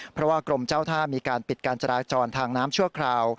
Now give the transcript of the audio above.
เพราะว่ากรมเจ้าท่ามีการปิดการจราจรทางน้ำชั่วคราว